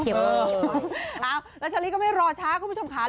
เออแล้วฉลิกก็ไม่รอช้าคุณผู้ชมค้า